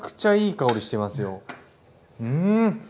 うん！